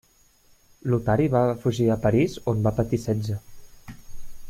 Lotari va fugir a Paris on va patir setge.